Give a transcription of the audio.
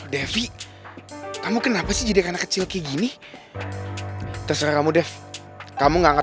devi kamu kenapa sih jadi anak kecil kayak gini terserah kamu def kamu gak